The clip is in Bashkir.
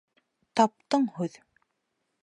Таптың һүҙ!